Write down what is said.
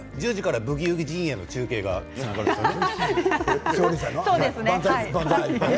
１０時から頭高の「ブギウギ」陣営の中継が始まるんですよね。